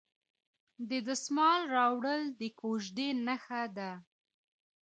د دسمال راوړل د کوژدې نښه ده.